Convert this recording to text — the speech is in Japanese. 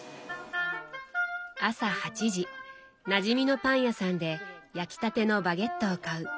朝８時なじみのパン屋さんで焼きたてのバゲットを買う。